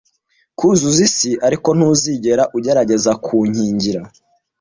Kuzuza isi, ariko ntuzigere ugerageza kunkingira,